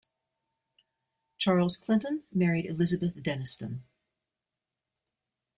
Charles Clinton married Elizabeth Denniston.